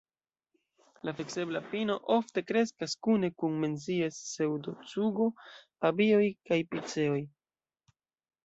La fleksebla pino ofte kreskas kune kun Menzies-pseŭdocugo, abioj kaj piceoj.